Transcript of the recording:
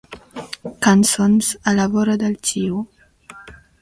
Cançons a la vora del tió.